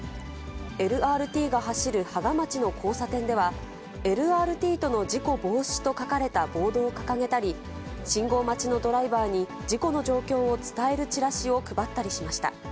ＬＲＴが走る芳賀町の交差点では、ＬＲＴとの事故防止と書かれたボードを掲げたり、信号待ちのドライバーに、事故の状況を伝えるチラシを配ったりしました。